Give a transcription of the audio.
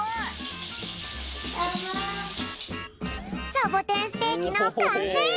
サボテンステーキのかんせい！